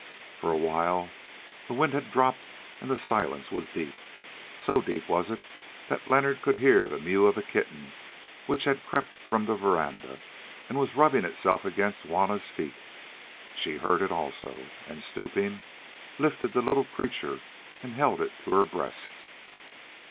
For a while the wind had dropped and the silence was deep, so deep was it that Leonard could hear the mew of a kitten which had crept from the verandah, and was rubbing itself against Juanna's feet. She heard it also, and, stooping, lifted the little creature and held it to her breast.